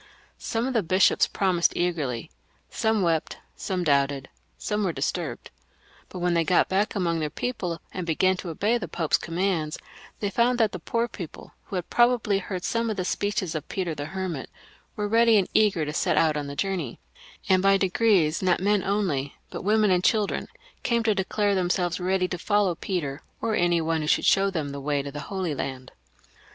Some of the bishops promised eagerly ;" some wept, some doubted, some were disturbed ;" but when they got back among their people and began to obey the Pope's commands, they found that the poor people, who had pro bably heard some of the speeches of Peter the Hermit, were ready and eager to set out on the journey, and by degrees not men only but women and children came to declare themselves ready to follow Peter, or any one who would show them the way to the Holy Land.